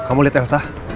kamu lihat yang sah